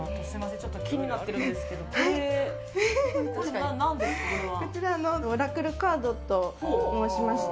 ちょっと気になってるんですけどオラクルカードと申しまして。